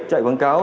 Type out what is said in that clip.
chạy quảng cáo